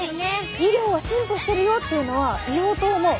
医療は進歩してるよっていうのは言おうと思う！